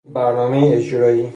برنامهی اجرایی